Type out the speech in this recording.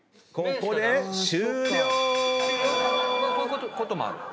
こういうこともある。